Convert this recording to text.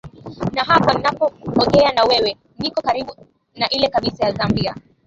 na hapa ninapoegea na wewe niko kabiru na ile kabisa ya zambia